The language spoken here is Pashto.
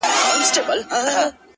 • ه ياره د څراغ د مــړه كولو پــه نـيت،